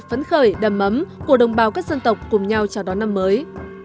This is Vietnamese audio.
phấn khởi đầm ấm của đồng bào các dân tộc cùng nhau chào đón năm mới